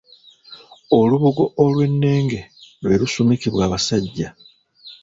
Olubugo olwennenge lwe lusumikibwa basajja.